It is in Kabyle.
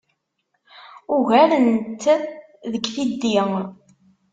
Ugaren-t deg tiddi.